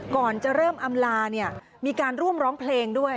ก่อนจะเริ่มอำลาเนี่ยมีการร่วมร้องเพลงด้วย